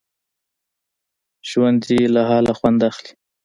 ژوندي له حاله خوند اخلي